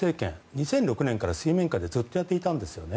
２００６年から水面下でずっとやっていたんですよね。